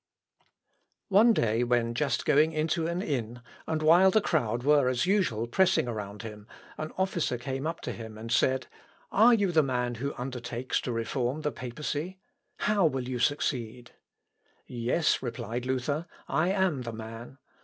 One day, when just going into an inn, and while the crowd were as usual pressing around him, an officer came up to him and said, "Are you the man who undertakes to reform the papacy? How will you succeed?" "Yes," replied Luther, "I am the man.